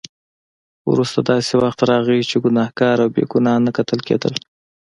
وروسته داسې وخت راغی چې ګناهګار او بې ګناه نه کتل کېدل.